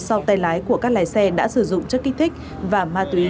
sau tay lái của các lái xe đã sử dụng chất kích thích